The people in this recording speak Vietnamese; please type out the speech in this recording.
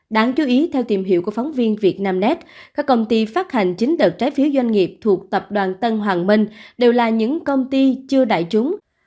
đáng chú ý theo tìm hiểu của phóng viên việt nam net các công ty phát hành chín đợt trái phiếu doanh nghiệp thuộc tập đoàn tân hoàng minh đều là những công ty chưa đại chúng